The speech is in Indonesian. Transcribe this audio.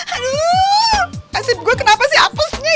aduh kasih gue kenapa sih apesnya